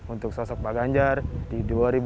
untuk sosok pak ganjar di dua ribu dua puluh